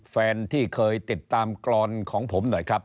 แฟนที่เคยติดตามกรอนของผมหน่อยครับ